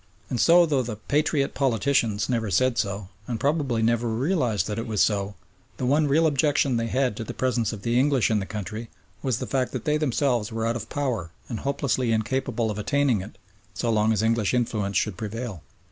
And though the "Patriot" politicians never said so, and probably never realised that it was so, the one real objection they had to the presence of the English in the country was the fact that they themselves were out of power and hopelessly incapable of attaining it so long as English influence should prevail.